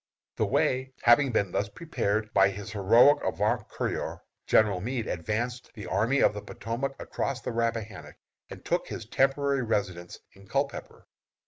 The way having been thus prepared by his heroic avant couriers, General Meade advanced the Army of the Potomac across the Rappahannock, and took his temporary residence in Culpepper.